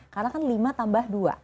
karena kan lima tambah dua